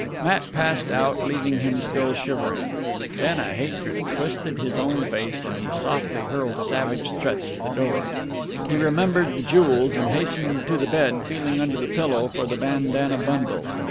Matt passed out, leaving him still shivering. Then a hatred twisted his own face, and he softly hurled savage threats at the door. He remembered the jewels, and hastened to the bed, feeling under the pillow for the bandana bundle.